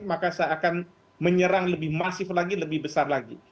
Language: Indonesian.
maka seakan menyerang lebih masif lagi lebih besar lagi